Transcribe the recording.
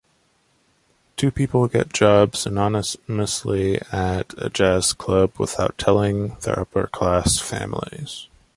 Two people get jobs anonymously at a jazz club without telling their upper-class families.